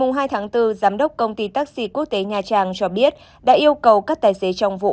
ngày hai tháng bốn giám đốc công ty taxi quốc tế nha trang cho biết đã yêu cầu các tài xế trong vụ